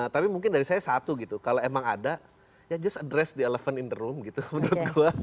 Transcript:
tapi mungkin dari saya satu gitu kalau emang ada ya just address the eleven in the room gitu menurut gue